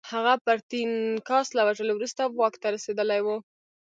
هغه پرتیناکس له وژلو وروسته واک ته رسېدلی و